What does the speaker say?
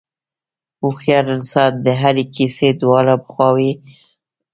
هوښیار انسان د هرې کیسې دواړه خواوې اوري.